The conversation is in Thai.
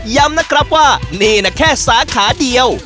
ย้ำนะครับว่านี่นะแค่สาขาเดียว